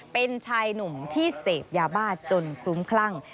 เป็นชายหนุ่มที่เสพยาบ้าจนคลุ้มคลั่ง